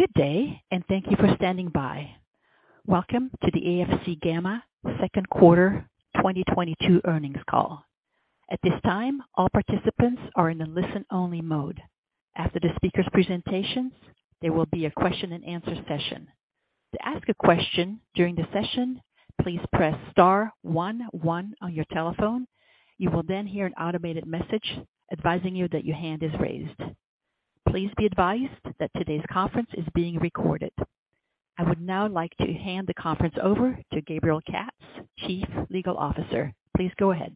Good day, and thank you for standing by. Welcome to the AFC Gamma second quarter 2022 earnings call. At this time, all participants are in a listen-only mode. After the speaker's presentations, there will be a question-and-answer session. To ask a question during the session, please press star one one on your telephone. You will then hear an automated message advising you that your hand is raised. Please be advised that today's conference is being recorded. I would now like to hand the conference over to Gabriel Katz, Chief Legal Officer. Please go ahead.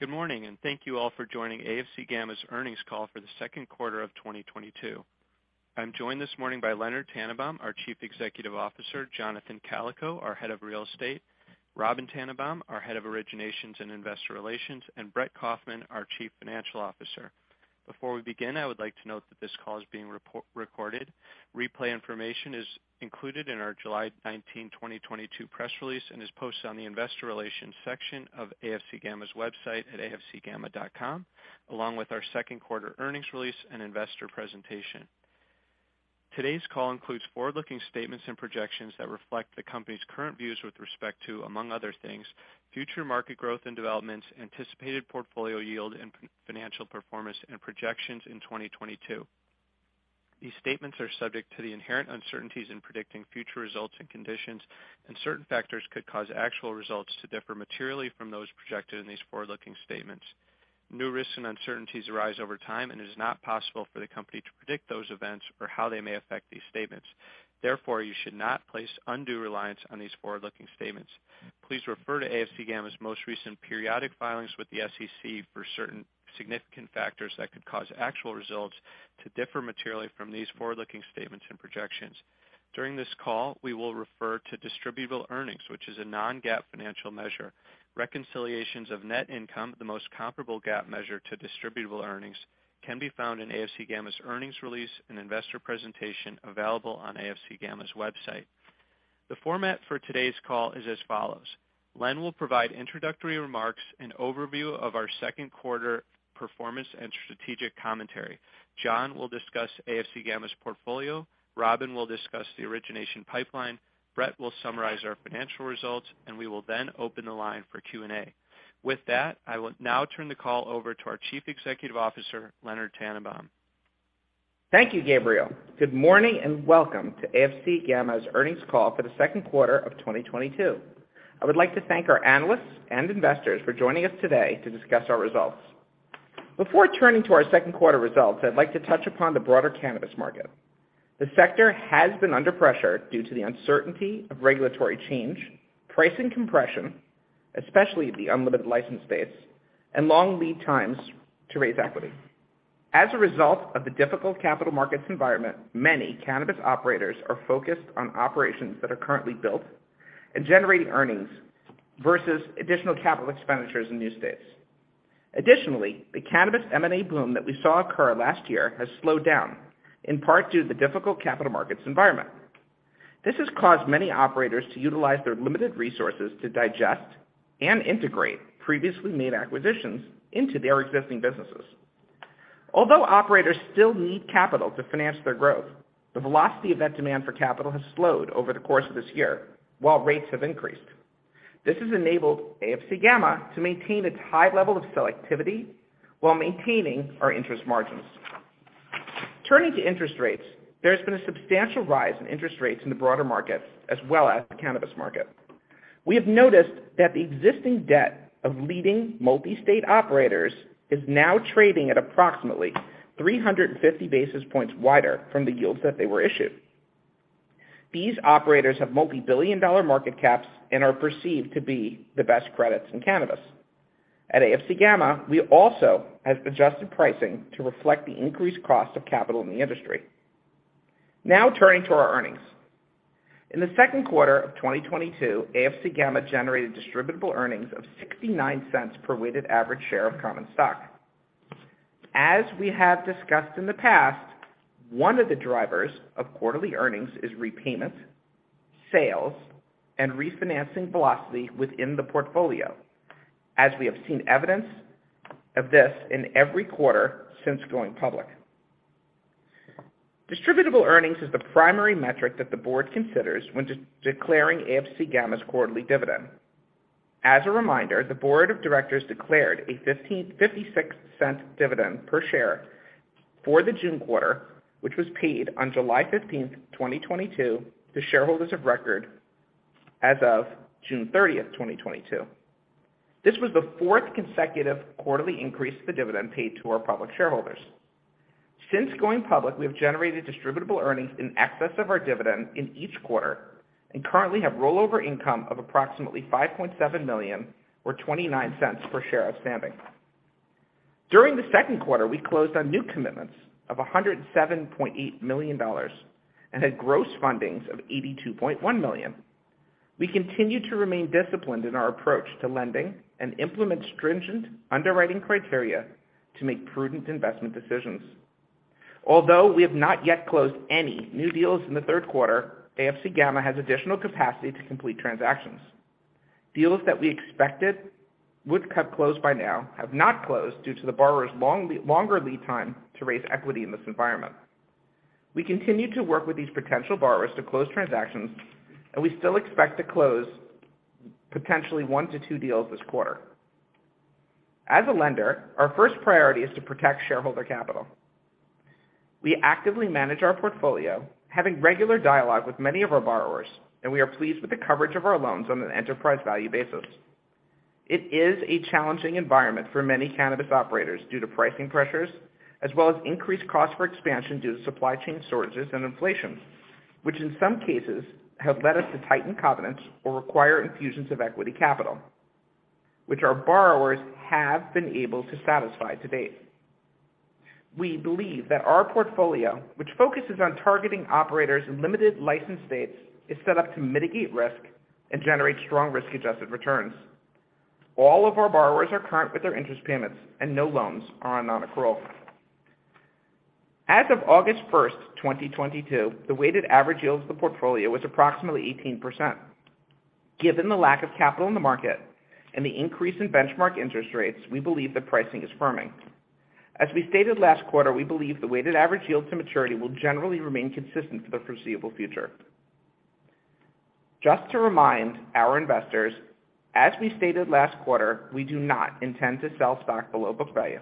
Good morning, and thank you all for joining AFC Gamma's earnings call for the second quarter of 2022. I'm joined this morning by Leonard Tannenbaum, our Chief Executive Officer, Jonathan Kalikow, our Head of Real Estate, Robyn Tannenbaum, our Head of Originations and Investor Relations, and Brett Kaufman, our Chief Financial Officer. Before we begin, I would like to note that this call is being recorded. Replay information is included in our July 19, 2022, press release and is posted on the investor relations section of AFC Gamma's website at afcgamma.com, along with our second quarter earnings release and investor presentation. Today's call includes forward-looking statements and projections that reflect the company's current views with respect to, among other things, future market growth and developments, anticipated portfolio yield and financial performance and projections in 2022. These statements are subject to the inherent uncertainties in predicting future results and conditions, and certain factors could cause actual results to differ materially from those projected in these forward-looking statements. New risks and uncertainties arise over time, and it is not possible for the company to predict those events or how they may affect these statements. Therefore, you should not place undue reliance on these forward-looking statements. Please refer to AFC Gamma's most recent periodic filings with the SEC for certain significant factors that could cause actual results to differ materially from these forward-looking statements and projections. During this call, we will refer to distributable earnings, which is a non-GAAP financial measure. Reconciliations of net income, the most comparable GAAP measure to distributable earnings, can be found in AFC Gamma's earnings release and investor presentation available on AFC Gamma's website. The format for today's call is as follows. Len will provide introductory remarks and overview of our second quarter performance and strategic commentary. John will discuss AFC Gamma's portfolio. Robyn will discuss the origination pipeline. Brett will summarize our financial results, and we will then open the line for Q&A. With that, I will now turn the call over to our Chief Executive Officer, Leonard Tannenbaum. Thank you, Gabriel. Good morning, and welcome to AFC Gamma's earnings call for the second quarter of 2022. I would like to thank our analysts and investors for joining us today to discuss our results. Before turning to our second quarter results, I'd like to touch upon the broader cannabis market. The sector has been under pressure due to the uncertainty of regulatory change, pricing compression, especially the unlimited license space, and long lead times to raise equity. As a result of the difficult capital markets environment, many cannabis operators are focused on operations that are currently built and generating earnings versus additional capital expenditures in new states. Additionally, the cannabis M&A boom that we saw occur last year has slowed down, in part due to the difficult capital markets environment. This has caused many operators to utilize their limited resources to digest and integrate previously made acquisitions into their existing businesses. Although operators still need capital to finance their growth, the velocity of that demand for capital has slowed over the course of this year, while rates have increased. This has enabled AFC Gamma to maintain its high level of selectivity while maintaining our interest margins. Turning to interest rates, there has been a substantial rise in interest rates in the broader market, as well as the cannabis market. We have noticed that the existing debt of leading multi-state operators is now trading at approximately 350 basis points wider from the yields that they were issued. These operators have multi-billion-dollar market caps and are perceived to be the best credits in cannabis. At AFC Gamma, we also have adjusted pricing to reflect the increased cost of capital in the industry. Now turning to our earnings. In the second quarter of 2022, AFC Gamma generated distributable earnings of $0.69 per weighted average share of common stock. As we have discussed in the past, one of the drivers of quarterly earnings is repayments, sales, and refinancing velocity within the portfolio, as we have seen evidence of this in every quarter since going public. Distributable earnings is the primary metric that the board considers when declaring AFC Gamma's quarterly dividend. As a reminder, the board of directors declared a $0.1556 dividend per share for the June quarter, which was paid on July 15, 2022, to shareholders of record as of June 30, 2022. This was the fourth consecutive quarterly increase to the dividend paid to our public shareholders. Since going public, we have generated distributable earnings in excess of our dividend in each quarter and currently have rollover income of approximately $5.7 million or $0.29 per share outstanding. During the second quarter, we closed on new commitments of $107.8 million and had gross fundings of $82.1 million. We continue to remain disciplined in our approach to lending and implement stringent underwriting criteria to make prudent investment decisions. Although we have not yet closed any new deals in the third quarter, AFC Gamma has additional capacity to complete transactions. Deals that we expected would have closed by now have not closed due to the borrower's longer lead time to raise equity in this environment. We continue to work with these potential borrowers to close transactions, and we still expect to close potentially 1-2 deals this quarter. As a lender, our first priority is to protect shareholder capital. We actively manage our portfolio, having regular dialogue with many of our borrowers, and we are pleased with the coverage of our loans on an enterprise value basis. It is a challenging environment for many cannabis operators due to pricing pressures as well as increased costs for expansion due to supply chain shortages and inflation, which in some cases have led us to tighten covenants or require infusions of equity capital, which our borrowers have been able to satisfy to date. We believe that our portfolio, which focuses on targeting operators in limited license states, is set up to mitigate risk and generate strong risk-adjusted returns. All of our borrowers are current with their interest payments, and no loans are on non-accrual. As of August 1, 2022, the weighted average yield of the portfolio was approximately 18%. Given the lack of capital in the market and the increase in benchmark interest rates, we believe that pricing is firming. As we stated last quarter, we believe the weighted average yield to maturity will generally remain consistent for the foreseeable future. Just to remind our investors, as we stated last quarter, we do not intend to sell stock below book value.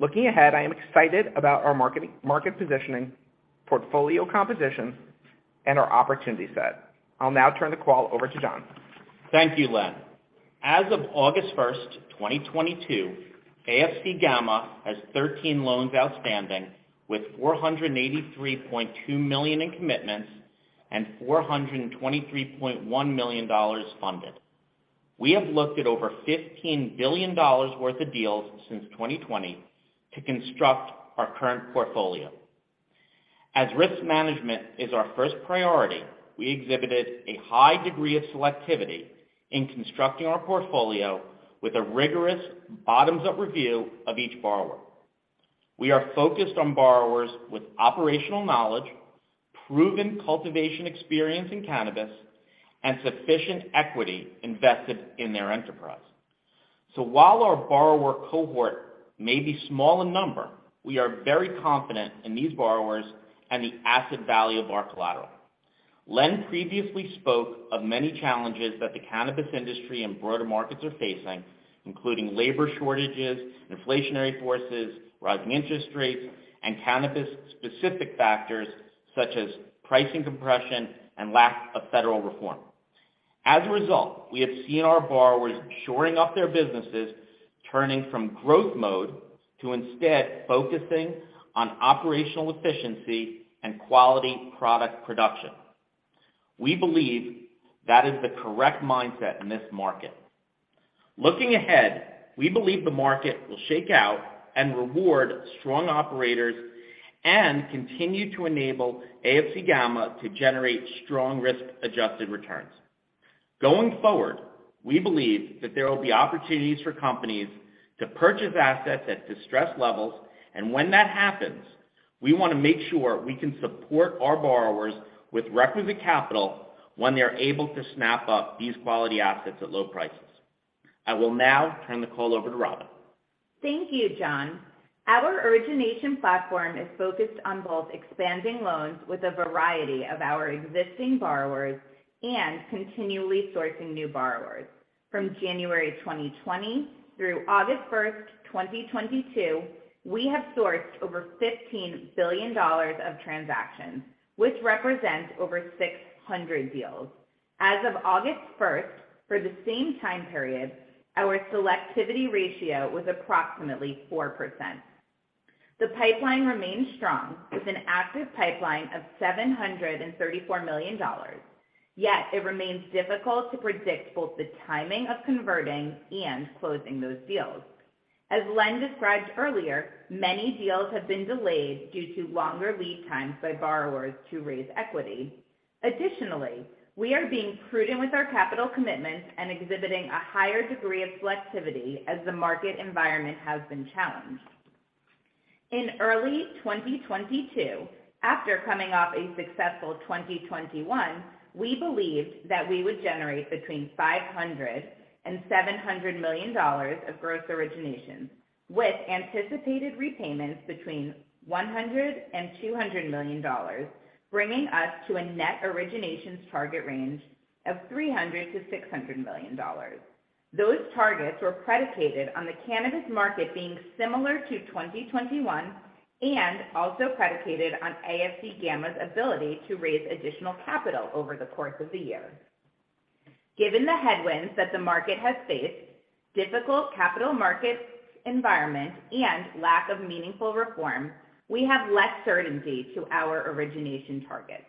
Looking ahead, I am excited about our market positioning, portfolio composition, and our opportunity set. I'll now turn the call over to Jon. Thank you, Len. As of August 1, 2022, AFC Gamma has 13 loans outstanding with $483.2 million in commitments and $423.1 million funded. We have looked at over $15 billion worth of deals since 2020 to construct our current portfolio. As risk management is our first priority, we exhibited a high degree of selectivity in constructing our portfolio with a rigorous bottoms-up review of each borrower. We are focused on borrowers with operational knowledge, proven cultivation experience in cannabis, and sufficient equity invested in their enterprise. While our borrower cohort may be small in number, we are very confident in these borrowers and the asset value of our collateral. Len previously spoke of many challenges that the cannabis industry and broader markets are facing, including labor shortages, inflationary forces, rising interest rates, and cannabis-specific factors such as pricing compression and lack of federal reform. As a result, we have seen our borrowers shoring up their businesses, turning from growth mode to instead focusing on operational efficiency and quality product production. We believe that is the correct mindset in this market. Looking ahead, we believe the market will shake out and reward strong operators and continue to enable AFC Gamma to generate strong risk-adjusted returns. Going forward, we believe that there will be opportunities for companies to purchase assets at distressed levels. When that happens, we wanna make sure we can support our borrowers with requisite capital when they're able to snap up these quality assets at low prices. I will now turn the call over to Robyn. Thank you, Jon. Our origination platform is focused on both expanding loans with a variety of our existing borrowers and continually sourcing new borrowers. From January 2020 through August 1, 2022, we have sourced over $15 billion of transactions, which represents over 600 deals. As of August 1, for the same time period, our selectivity ratio was approximately 4%. The pipeline remains strong with an active pipeline of $734 million, yet it remains difficult to predict both the timing of converting and closing those deals. As Len described earlier, many deals have been delayed due to longer lead times by borrowers to raise equity. Additionally, we are being prudent with our capital commitments and exhibiting a higher degree of selectivity as the market environment has been challenged. In early 2022, after coming off a successful 2021, we believed that we would generate between $500-$700 million of gross originations, with anticipated repayments between $100-$200 million, bringing us to a net originations target range of $300-$600 million. Those targets were predicated on the cannabis market being similar to 2021 and also predicated on AFC Gamma's ability to raise additional capital over the course of the year. Given the headwinds that the market has faced, difficult capital market environment, and lack of meaningful reform, we have less certainty to our origination targets.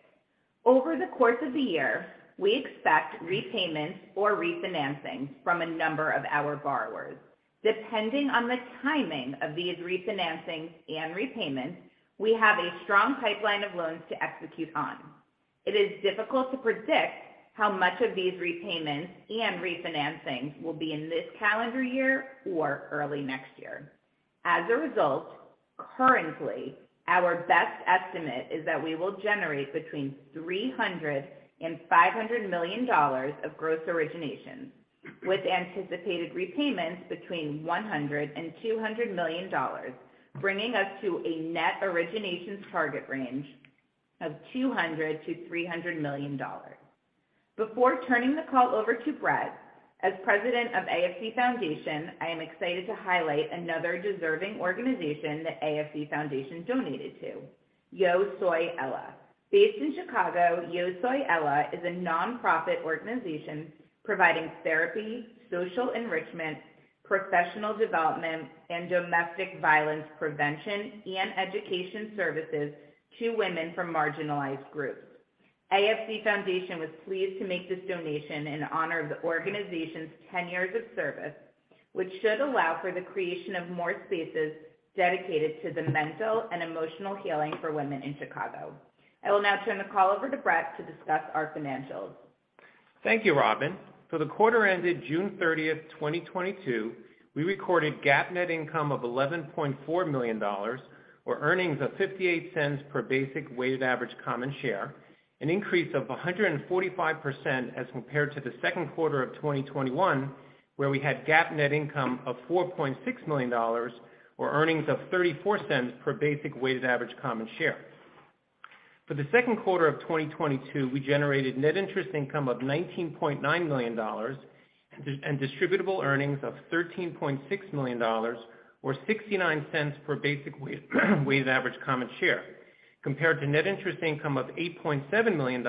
Over the course of the year, we expect repayments or refinancing from a number of our borrowers. Depending on the timing of these refinancings and repayments, we have a strong pipeline of loans to execute on. It is difficult to predict how much of these repayments and refinancings will be in this calendar year or early next year. Currently, our best estimate is that we will generate between $300 million and $500 million of gross originations, with anticipated repayments between $100 million and $200 million, bringing us to a net originations target range of $200-$300 million. Before turning the call over to Brett, as president of AFC Foundation, I am excited to highlight another deserving organization that AFC Foundation donated to, Yo Soy Ella. Based in Chicago, Yo Soy Ella is a nonprofit organization providing therapy, social enrichment, professional development, and domestic violence prevention and education services to women from marginalized groups. AFC Foundation was pleased to make this donation in honor of the organization's ten years of service, which should allow for the creation of more spaces dedicated to the mental and emotional healing for women in Chicago. I will now turn the call over to Brett to discuss our financials. Thank you, Robyn. For the quarter ended June 30, 2022, we recorded GAAP net income of $11.4 million, or earnings of $0.58 per basic weighted average common share, an increase of 145% as compared to the second quarter of 2021, where we had GAAP net income of $4.6 million, or earnings of $0.34 per basic weighted average common share. For the second quarter of 2022, we generated net interest income of $19.9 million and distributable earnings of $13.6 million, or $0.69 per basic weighted average common share, compared to net interest income of $8.7 million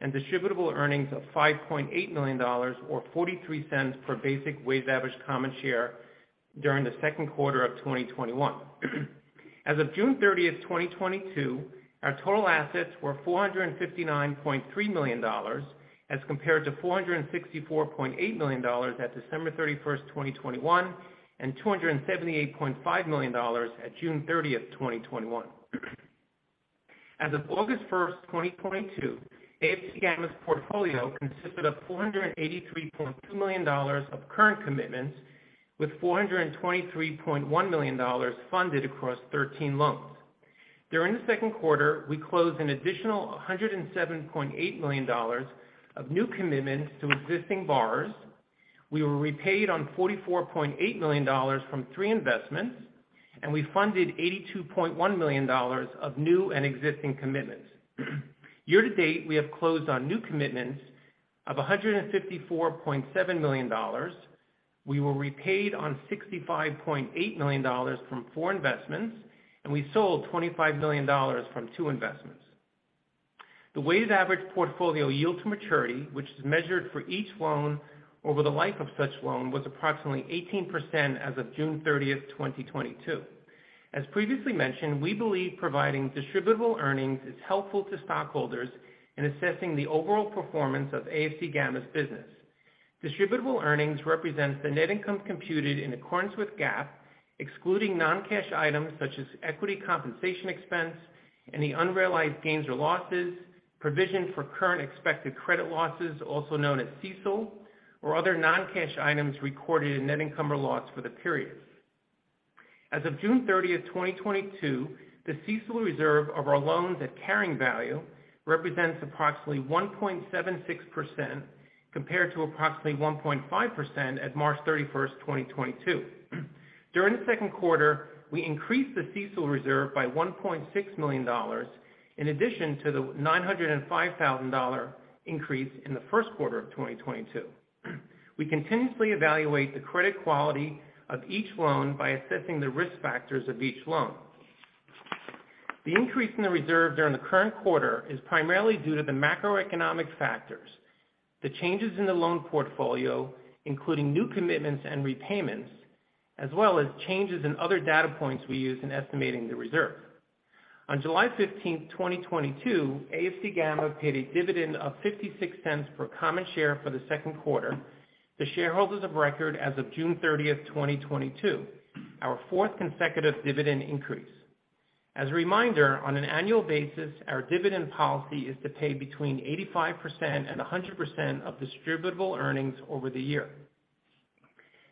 and distributable earnings of $5.8 million or $0.43 per basic weighted average common share during the second quarter of 2021. As of June 30, 2022, our total assets were $459.3 million as compared to $464.8 million at December 31, 2021, and $278.5 million at June 30, 2021. As of August 1, 2022, AFC Gamma's portfolio consisted of $483.2 million of current commitments with $423.1 million funded across 13 loans. During the second quarter, we closed an additional $107.8 million of new commitments to existing borrowers. We were repaid on $44.8 million from three investments, and we funded $82.1 million of new and existing commitments. Year to date, we have closed on new commitments of $154.7 million. We were repaid $65.8 million from four investments, and we sold $25 million from two investments. The weighted average portfolio yield to maturity, which is measured for each loan over the life of such loan, was approximately 18% as of June 30, 2022. As previously mentioned, we believe providing distributable earnings is helpful to stockholders in assessing the overall performance of AFC Gamma's business. distributable earnings represents the net income computed in accordance with GAAP, excluding non-cash items such as equity compensation expense, any unrealized gains or losses, provision for current expected credit losses, also known as CECL, or other non-cash items recorded in net income or loss for the period. As of June 30th, 2022, the CECL reserve of our loans at carrying value represents approximately 1.76% compared to approximately 1.5% at March 31st, 2022. During the second quarter, we increased the CECL reserve by $1.6 million in addition to the $905,000 increase in the first quarter of 2022. We continuously evaluate the credit quality of each loan by assessing the risk factors of each loan. The increase in the reserve during the current quarter is primarily due to the macroeconomic factors, the changes in the loan portfolio, including new commitments and repayments, as well as changes in other data points we use in estimating the reserve. On July 15, 2022, AFC Gamma paid a dividend of $0.56 per common share for the second quarter to shareholders of record as of June 30, 2022, our fourth consecutive dividend increase. As a reminder, on an annual basis, our dividend policy is to pay between 85% and 100% of distributable earnings over the year.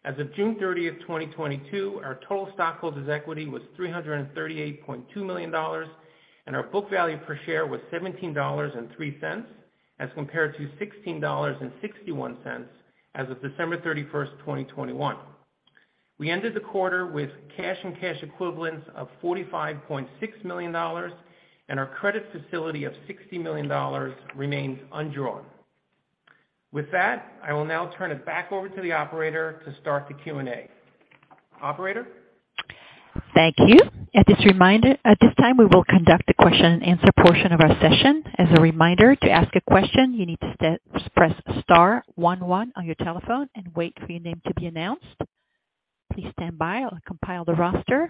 As of June 30, 2022, our total stockholders' equity was $338.2 million, and our book value per share was $17.03 as compared to $16.61 as of December 31, 2021. We ended the quarter with cash and cash equivalents of $45.6 million, and our credit facility of $60 million remains undrawn. With that, I will now turn it back over to the operator to start the Q&A. Operator? Thank you. At this time, we will conduct the question and answer portion of our session. As a reminder, to ask a question, you need to press star one one on your telephone and wait for your name to be announced. Please stand by while I compile the roster.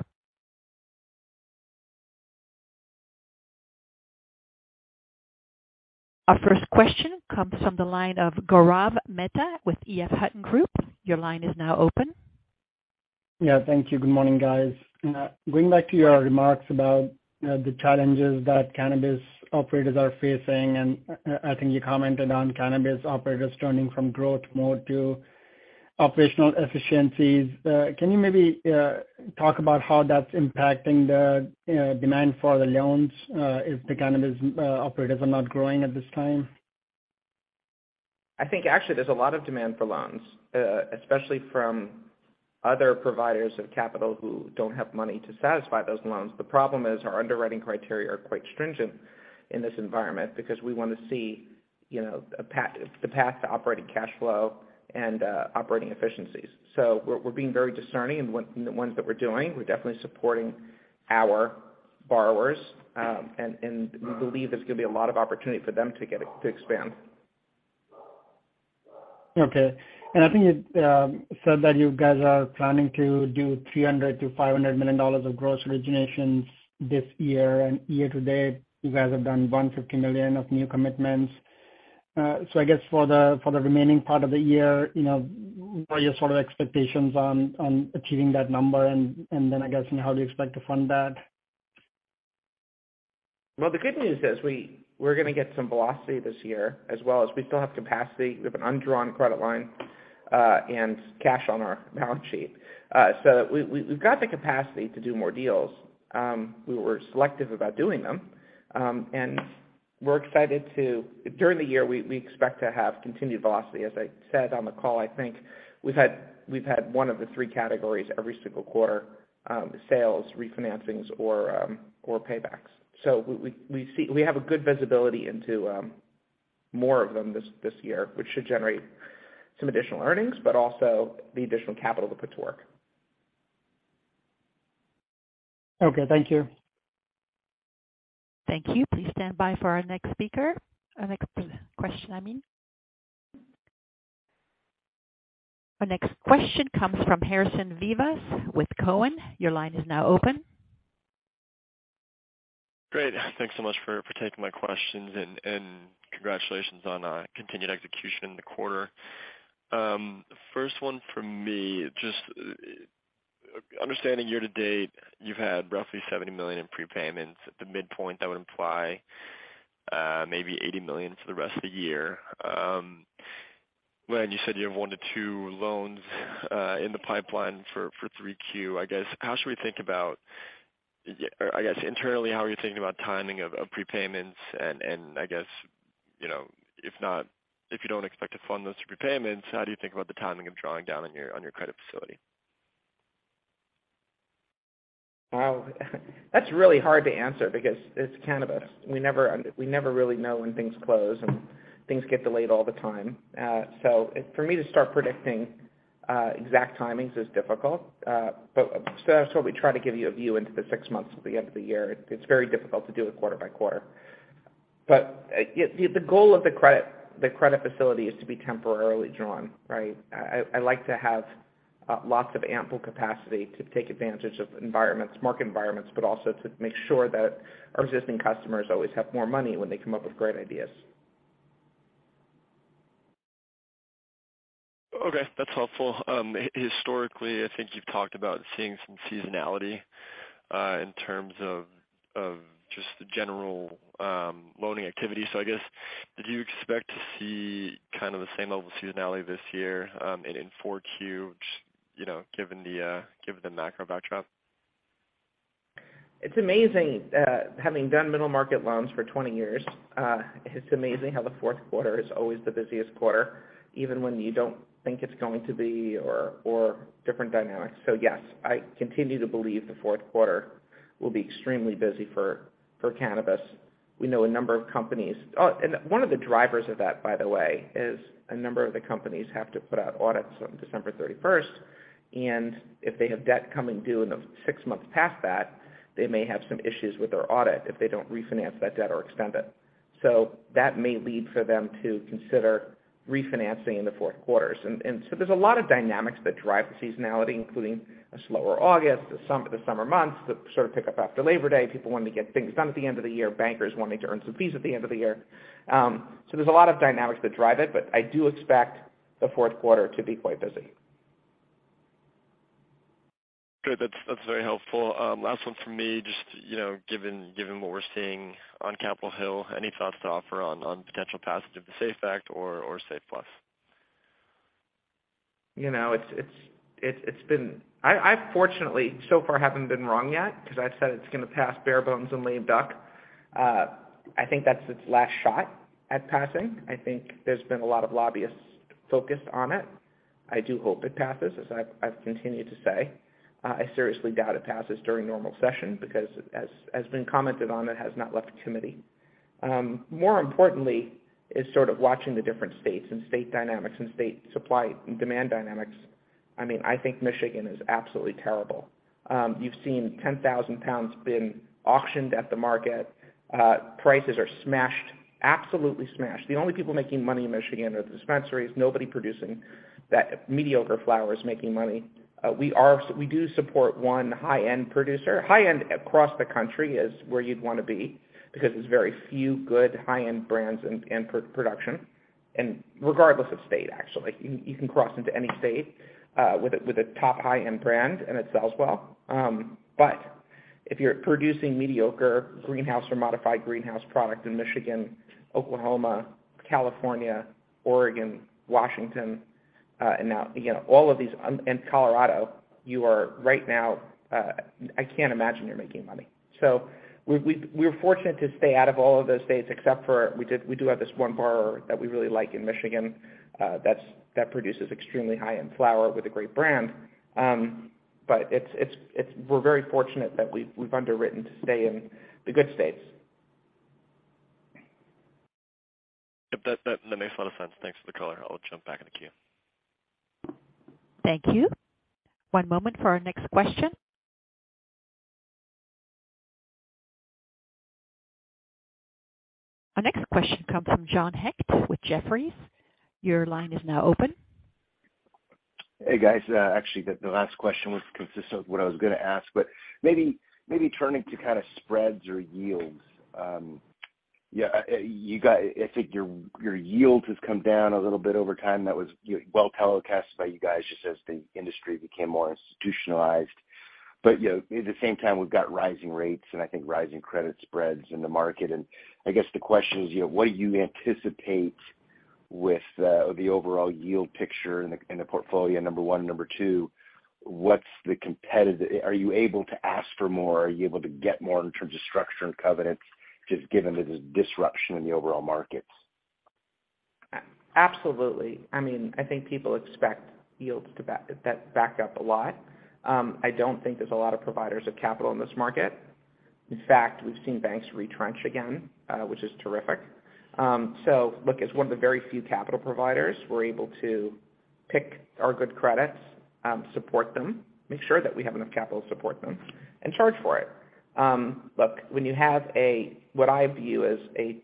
Our first question comes from the line of Gaurav Mehta with EF Hutton. Your line is now open. Yeah. Thank you. Good morning, guys. Going back to your remarks about the challenges that cannabis operators are facing, and I think you commented on cannabis operators turning from growth mode to operational efficiencies. Can you maybe talk about how that's impacting the demand for the loans, if the cannabis operators are not growing at this time? I think actually there's a lot of demand for loans, especially from other providers of capital who don't have money to satisfy those loans. The problem is our underwriting criteria are quite stringent in this environment because we want to see, you know, the path to operating cash flow and operating efficiencies. We're being very discerning in the ones that we're doing. We're definitely supporting our borrowers, and we believe there's gonna be a lot of opportunity for them to get it to expand. Okay. I think you said that you guys are planning to do $300 million-$500 million of gross originations this year, and year to date, you guys have done $150 million of new commitments. I guess for the remaining part of the year, you know, what are your sort of expectations on achieving that number? And then I guess on how you expect to fund that. Well, the good news is we're gonna get some velocity this year, as well as we still have capacity. We have an undrawn credit line and cash on our balance sheet. We've got the capacity to do more deals. We were selective about doing them. During the year, we expect to have continued velocity. As I said on the call, I think we've had one of the three categories every single quarter, sales, refinancings, or paybacks. We see, we have a good visibility into more of them this year, which should generate some additional earnings, but also the additional capital to put to work. Okay. Thank you. Thank you. Please stand by for our next speaker. Our next question comes from Harrison Vivas with Cowen. Your line is now open. Great. Thanks so much for taking my questions and congratulations on continued execution in the quarter. First one from me, just understanding year to date, you've had roughly $70 million in prepayments. At the midpoint, that would imply maybe $80 million for the rest of the year. When you said you have 1-2 loans in the pipeline for 3Q, I guess how should we think about. Or I guess internally, how are you thinking about timing of prepayments? I guess if not, if you don't expect to fund those prepayments, how do you think about the timing of drawing down on your credit facility? Well, that's really hard to answer because it's cannabis. We never really know when things close, and things get delayed all the time. For me to start predicting exact timings is difficult. That's why we try to give you a view into the six months at the end of the year. It's very difficult to do it quarter by quarter. The goal of the credit facility is to be temporarily drawn, right? I like to have lots of ample capacity to take advantage of environments, market environments, but also to make sure that our existing customers always have more money when they come up with great ideas. Okay, that's helpful. Historically, I think you've talked about seeing some seasonality in terms of just the general loaning activity. I guess, did you expect to see kind of the same level of seasonality this year in Q4, you know, given the macro backdrop? It's amazing, having done middle market loans for 20 years, it's amazing how the fourth quarter is always the busiest quarter, even when you don't think it's going to be or different dynamics. Yes, I continue to believe the fourth quarter will be extremely busy for cannabis. We know a number of companies. And one of the drivers of that, by the way, is a number of the companies have to put out audits on December 31st, and if they have debt coming due in the six months past that, they may have some issues with their audit if they don't refinance that debt or extend it. That may lead for them to consider refinancing in the fourth quarters. There's a lot of dynamics that drive the seasonality, including a slower August, the summer months that sort of pick up after Labor Day. People wanting to get things done at the end of the year. Bankers wanting to earn some fees at the end of the year. There's a lot of dynamics that drive it, but I do expect the fourth quarter to be quite busy. Good. That's very helpful. Last one from me, just, you know, given what we're seeing on Capitol Hill, any thoughts to offer on potential passage of the SAFE Act or SAFE Plus? It's been fortunate so far I haven't been wrong yet because I've said it's gonna pass bare bones and lame duck. I think that's its last shot at passing. I think there's been a lot of lobbyists focused on it. I do hope it passes, as I've continued to say. I seriously doubt it passes during normal session because as has been commented on, it has not left committee. More importantly is sort of watching the different states and state dynamics and state supply and demand dynamics. I mean, I think Michigan is absolutely terrible. You've seen 10,000 pounds being auctioned at the market. Prices are smashed, absolutely smashed. The only people making money in Michigan are the dispensaries. Nobody producing that mediocre flower is making money. We do support one high-end producer. High-end across the country is where you'd wanna be because there's very few good high-end brands in production, and regardless of state, actually. You can cross into any state with a top high-end brand, and it sells well. If you're producing mediocre greenhouse or modified greenhouse product in Michigan, Oklahoma, California, Oregon, Washington, and now, you know, all of these and Colorado, you are right now, I can't imagine you're making money. We're fortunate to stay out of all of those states, except for we do have this one borrower that we really like in Michigan, that's that produces extremely high-end flower with a great brand. We're very fortunate that we've underwritten to stay in the good states. Yep. That makes a lot of sense. Thanks for the color. I'll jump back in the queue. Thank you. One moment for our next question. Our next question comes from John Hecht with Jefferies. Your line is now open. Hey, guys. Actually, the last question was consistent with what I was gonna ask, but maybe turning to kind of spreads or yields. Yeah, you guys, I think your yields has come down a little bit over time. That was, you know, well telegraphed by you guys just as the industry became more institutionalized. You know, at the same time, we've got rising rates and I think rising credit spreads in the market. I guess the question is, you know, what do you anticipate with the overall yield picture in the portfolio, number one? Number two, are you able to ask for more? Are you able to get more in terms of structure and covenants, just given the disruption in the overall markets? Absolutely. I mean, I think people expect yields to back up a lot. I don't think there's a lot of providers of capital in this market. In fact, we've seen banks retrench again, which is terrific. Look, as one of the very few capital providers, we're able to pick our good credits, support them, make sure that we have enough capital to support them and charge for it. Look, when you have a what I view as a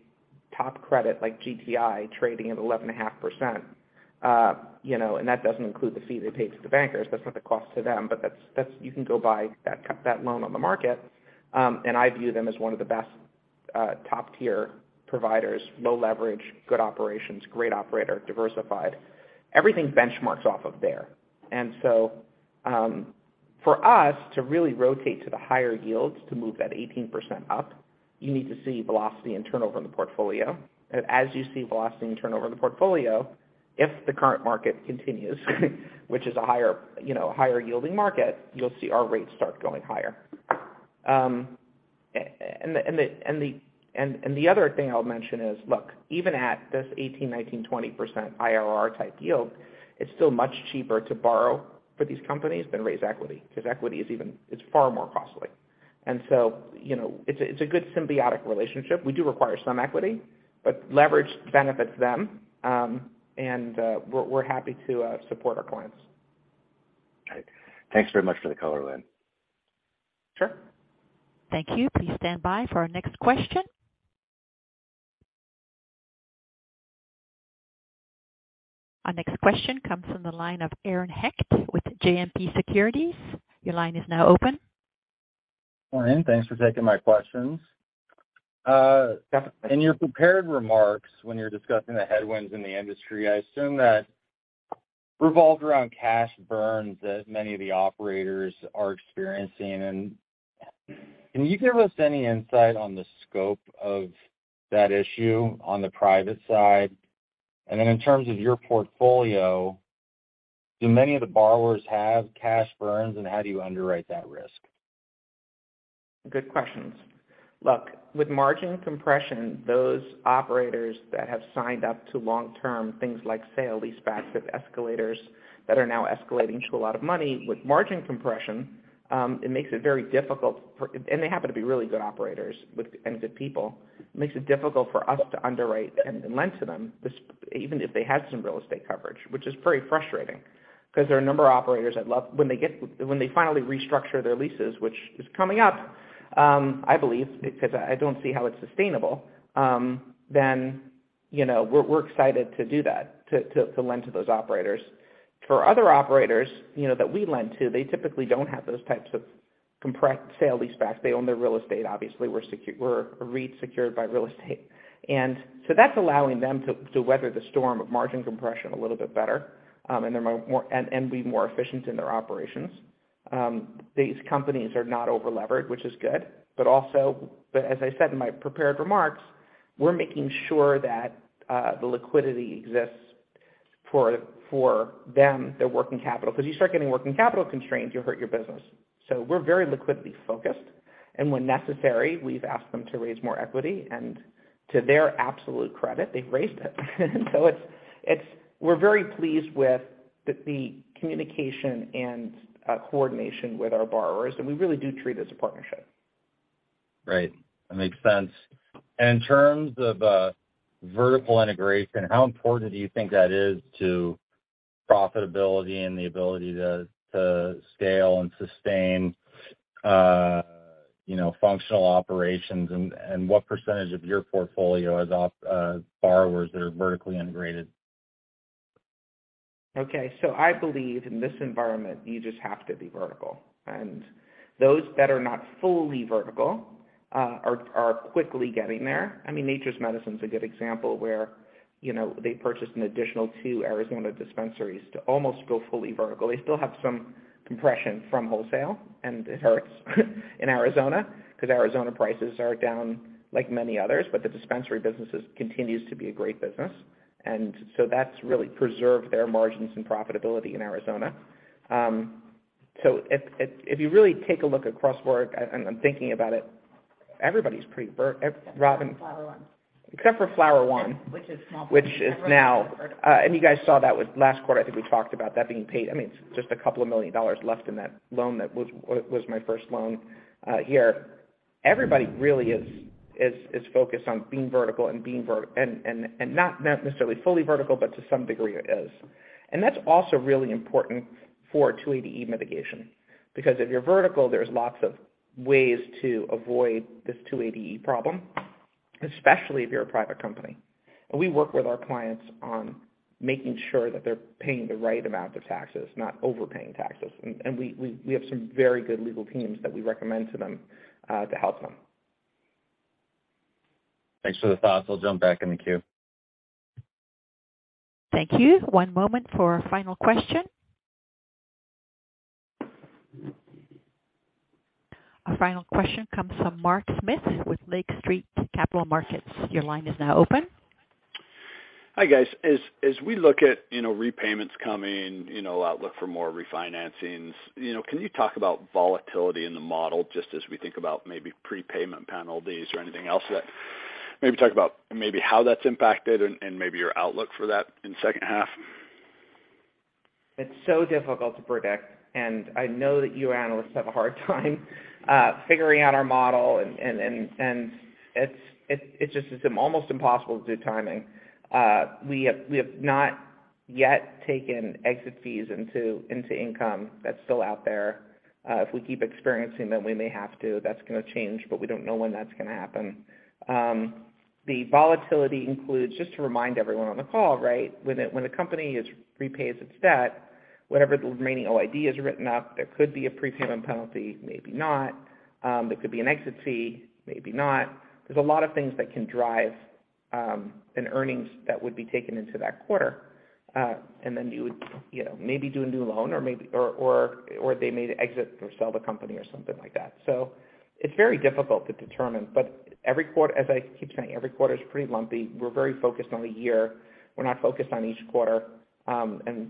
top credit like GTI trading at 11.5%, you know, and that doesn't include the fee they pay to the bankers. That's not the cost to them, but that's you can go buy that loan on the market. I view them as one of the best top tier providers, low leverage, good operations, great operator, diversified. Everything benchmarks off of there. For us to really rotate to the higher yields to move that 18% up, you need to see velocity and turnover in the portfolio. As you see velocity and turnover in the portfolio, if the current market continues, which is a higher, you know, higher yielding market, you'll see our rates start going higher. The other thing I'll mention is, look, even at this 18, 19, 20% IRR type yield, it's still much cheaper to borrow for these companies than raise equity, 'cause equity is even, it's far more costly. You know, it's a good symbiotic relationship. We do require some equity, but leverage benefits them. We're happy to support our clients. Great. Thanks very much for the color, Len. Sure. Thank you. Please stand by for our next question. Our next question comes from the line of Aaron Hecht with JMP Securities. Your line is now open. Morning. Thanks for taking my questions. Yeah. In your prepared remarks, when you're discussing the headwinds in the industry, I assume that revolved around cash burns that many of the operators are experiencing. Can you give us any insight on the scope of that issue on the private side? In terms of your portfolio, do many of the borrowers have cash burns, and how do you underwrite that risk? Good questions. Look, with margin compression, those operators that have signed up to long-term things like sale-leaseback with escalators that are now escalating to a lot of money. With margin compression, it makes it very difficult. They happen to be really good operators with good people. It makes it difficult for us to underwrite and lend to them, even if they had some real estate coverage, which is pretty frustrating, 'cause there are a number of operators I'd love when they finally restructure their leases, which is coming up, I believe, because I don't see how it's sustainable, then, you know, we're excited to do that, to lend to those operators. For other operators, you know, that we lend to, they typically don't have those types of sale-leaseback. They own their real estate, obviously. We're REIT secured by real estate. That's allowing them to weather the storm of margin compression a little bit better, and they're more and be more efficient in their operations. These companies are not overlevered, which is good. Also, as I said in my prepared remarks, we're making sure that the liquidity exists for them, their working capital, because you start getting working capital constraints, you'll hurt your business. We're very liquidity focused. When necessary, we've asked them to raise more equity. To their absolute credit, they've raised it. We're very pleased with the communication and coordination with our borrowers, and we really do treat it as a partnership. Right. That makes sense. In terms of vertical integration, how important do you think that is to profitability and the ability to scale and sustain you know functional operations, and what percentage of your portfolio is of borrowers that are vertically integrated? I believe in this environment, you just have to be vertical. Those that are not fully vertical are quickly getting there. I mean, Nature's Medicines is a good example where, you know, they purchased an additional two Arizona dispensaries to almost go fully vertical. They still have some compression from wholesale, and it hurts in Arizona because Arizona prices are down like many others. The dispensary businesses continues to be a great business. That's really preserved their margins and profitability in Arizona. If you really take a look at CrossWorks, I'm thinking about it, everybody's pretty vertical, Robyn. Except for Flower One. Except for Flower One. Which is small. Which is now, and you guys saw that with last quarter. I think we talked about that being paid. I mean, it's just $2 million left in that loan. That was my first loan here. Everybody really is focused on being vertical and not necessarily fully vertical, but to some degree it is. That's also really important for 280 mitigation because if you're vertical, there's lots of ways to avoid this 280 problem, especially if you're a private company. We work with our clients on making sure that they're paying the right amount of taxes, not overpaying taxes. We have some very good legal teams that we recommend to them to help them. Thanks for the thoughts. I'll jump back in the queue. Thank you. One moment for our final question. Our final question comes from Mark Smith with Lake Street Capital Markets. Your line is now open. Hi, guys. As we look at, you know, repayments coming, you know, outlook for more refinancings, you know, can you talk about volatility in the model just as we think about maybe prepayment penalties or anything else that maybe talk about maybe how that's impacted and maybe your outlook for that in second half? It's so difficult to predict, and I know that you analysts have a hard time figuring out our model and it's just almost impossible to do timing. We have not yet taken exit fees into income. That's still out there. If we keep experiencing that, we may have to. That's gonna change, but we don't know when that's gonna happen. The volatility includes, just to remind everyone on the call, right? When a company repays its debt, whatever the remaining OID is written up, there could be a prepayment penalty, maybe not. There could be an exit fee, maybe not. There's a lot of things that can drive an earnings that would be taken into that quarter. You would, you know, maybe do a new loan or they may exit or sell the company or something like that. It's very difficult to determine. Every quarter, as I keep saying, every quarter is pretty lumpy. We're very focused on the year. We're not focused on each quarter.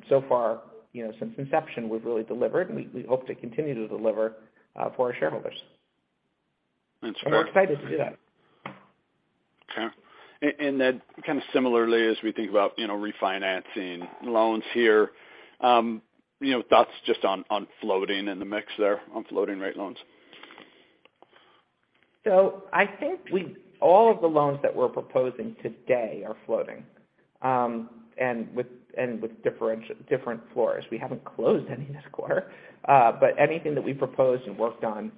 So far, you know, since inception, we've really delivered, and we hope to continue to deliver for our shareholders. That's correct. We're excited to do that. Then kind of similarly, as we think about, you know, refinancing loans here, you know, thoughts just on floating in the mix there, on floating rate loans? I think all of the loans that we're proposing today are floating, and with different floors. We haven't closed any this quarter, but anything that we proposed and worked on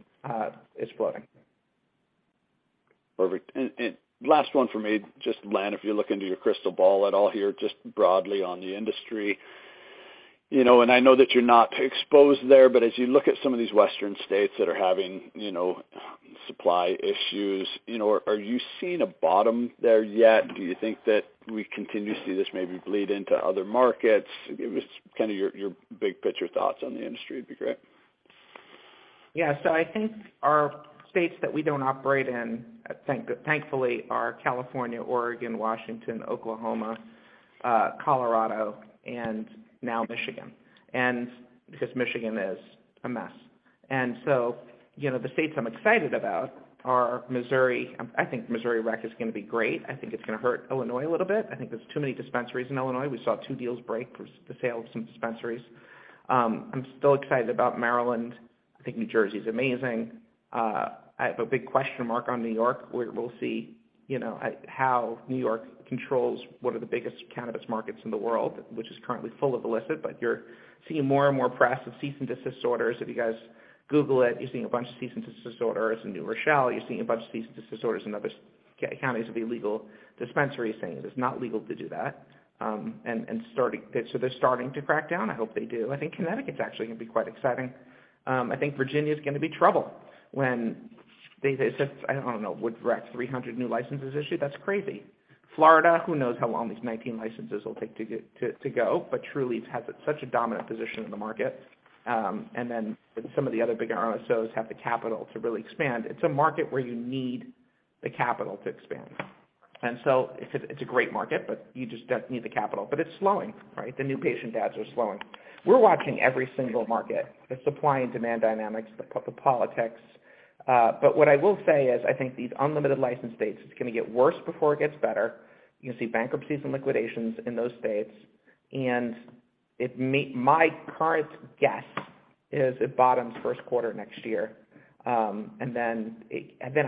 is floating. Perfect. Last one for me. Just, Len, if you look into your crystal ball at all here, just broadly on the industry, you know, and I know that you're not exposed there, but as you look at some of these Western states that are having, you know, supply issues, you know, are you seeing a bottom there yet? Do you think that we continue to see this maybe bleed into other markets? Give us kinda your big picture thoughts on the industry would be great. Yeah. I think our states that we don't operate in, I think, thankfully are California, Oregon, Washington, Oklahoma, Colorado, and now Michigan. Because Michigan is a mess. You know, the states I'm excited about are Missouri. I think Missouri rec is gonna be great. I think it's gonna hurt Illinois a little bit. I think there's too many dispensaries in Illinois. We saw two deals break for the sale of some dispensaries. I'm still excited about Maryland. I think New Jersey is amazing. I have a big question mark on New York, where we'll see, you know, how New York controls one of the biggest cannabis markets in the world, which is currently full of illicit. You're seeing more and more press of cease and desist orders. If you guys Google it, you're seeing a bunch of cease and desist orders in New Rochelle. You're seeing a bunch of cease and desist orders in other counties of illegal dispensaries saying it is not legal to do that, and they're starting to crack down. I hope they do. I think Connecticut's actually gonna be quite exciting. I think Virginia is gonna be trouble when they, I don't know, will rack 300 new licenses issued. That's crazy. Florida, who knows how long these 19 licenses will take to go, but Trulieve has such a dominant position in the market. Some of the other bigger MSOs have the capital to really expand. It's a market where you need the capital to expand. It's a great market, but you just do need the capital. It's slowing, right? The new patient adds are slowing. We're watching every single market, the supply and demand dynamics, the politics. What I will say is, I think these unlimited license states, it's gonna get worse before it gets better. You're gonna see bankruptcies and liquidations in those states. My current guess is it bottoms first quarter next year. And then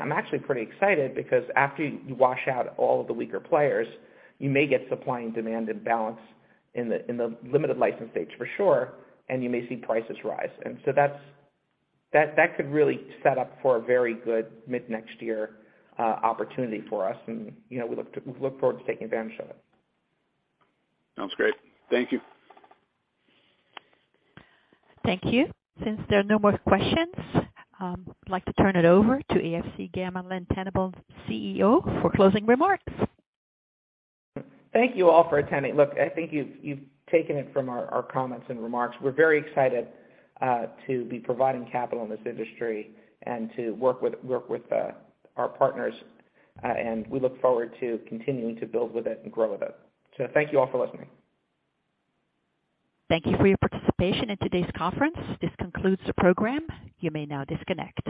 I'm actually pretty excited because after you wash out all of the weaker players, you may get supply and demand balance in the limited license states for sure, and you may see prices rise. That could really set up for a very good mid-next year opportunity for us. You know, we look forward to taking advantage of it. Sounds great. Thank you. Thank you. Since there are no more questions, I'd like to turn it over to AFC Gamma Len Tannenbaum, CEO, for closing remarks. Thank you all for attending. Look, I think you've taken it from our comments and remarks. We're very excited to be providing capital in this industry and to work with our partners, and we look forward to continuing to build with it and grow with it. Thank you all for listening. Thank you for your participation in today's conference. This concludes the program. You may now disconnect.